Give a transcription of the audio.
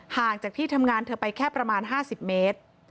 ห่างจากที่ทำงานเธอไปแค่ประมาณ๕๐เมตร